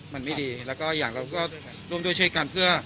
มันไม่ดีแล้วก็อย่างเราก็ร่วมด้วยช่วยกันเพื่อ